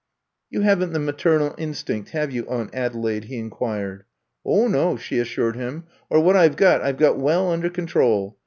'' *'You haven't the maternal instinct, have you. Aunt Adelaide ?" he inquired. *'0h, no," she assured him; *'or what I 've got I 've got well under control.